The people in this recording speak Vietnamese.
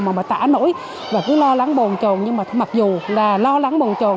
mà tả nỗi và cứ lo lắng bồn trồn nhưng mà mặc dù là lo lắng bồn trồn